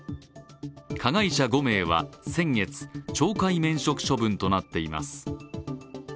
加害者５名は先月、懲戒免職処分となっています